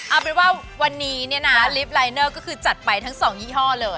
เอาเป็นว่าวันนี้เนี่ยนะลิฟต์ลายเนอร์ก็คือจัดไปทั้ง๒ยี่ห้อเลย